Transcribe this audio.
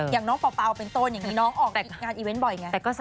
อย่างน้องเป่าเป็นต้นอย่างนี้น้องออกงานอีเวนต์บ่อยไง